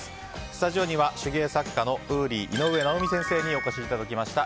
スタジオには手芸作家のＷＯＯＬＹ井上直美先生にお越しいただきました。